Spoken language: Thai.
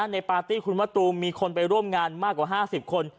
ปาร์ตี้คุณมะตูมมีคนไปร่วมงานมากกว่า๕๐คน